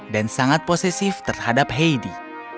dan sangat posesif terhadap heidi